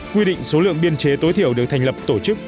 quy định số lượng biên chế tối thiểu được thành lập tổ chức